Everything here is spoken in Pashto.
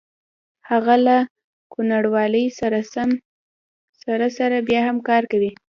هغه له کوڼوالي سره سره بیا هم کار کوي